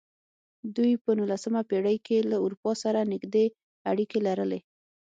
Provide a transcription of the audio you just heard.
دوی په نولسمه پېړۍ کې له اروپا سره نږدې اړیکې لرلې.